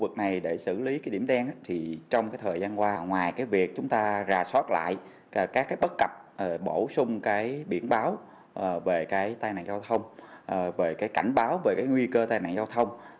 cảnh báo về tai nạn giao thông cảnh báo về nguy cơ tai nạn giao thông